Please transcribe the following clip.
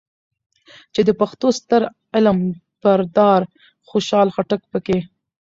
چې د پښتو ستر علم بردار خوشحال خټک پکې